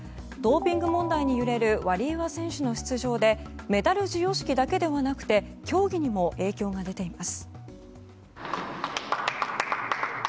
ドーピング問題に揺れるワリエワ選手の出場でメダル授与式だけではなくて競技にも影響が出ています。